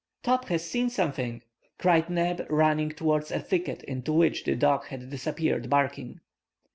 "Top has seen something!" cried Neb, running toward a thicket into which the dog had disappeared barking.